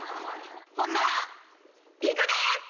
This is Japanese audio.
ほんならいくで！